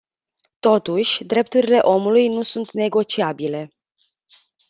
Totuși, drepturile omului nu sunt negociabile.